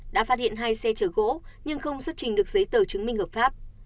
đã phát hiện hai xe chở gỗ nhưng không xuất trình được giấy tờ chứng minh hợp pháp